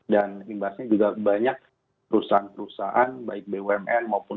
dan imbasnya juga banyak perusahaan perusahaan baik bumn maupun